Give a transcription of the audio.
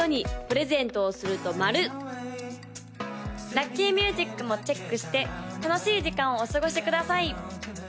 ・ラッキーミュージックもチェックして楽しい時間をお過ごしください